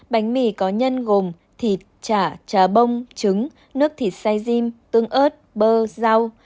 bánh mì có nhân gồm thịt chả trà bông trứng nước thịt sai diêm tương ớt bơ rau